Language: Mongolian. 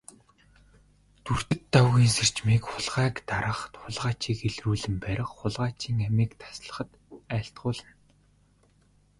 Дүртэд Дагвын сэржмийг хулгайг дарах, хулгайчийг илрүүлэн барих, хулгайчийн амийг таслахад айлтгуулна.